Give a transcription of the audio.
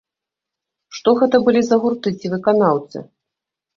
Што гэта былі за гурты ці выканаўцы?